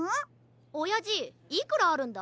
おやじいくらあるんだ？